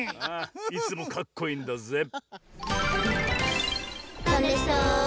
いつもかっこいいんだぜっ！